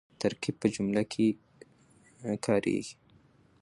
ترکیب په جمله کښي کاریږي.